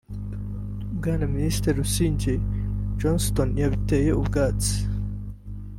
Bwana Ministre Busingye Johnston yabiteye utwatsi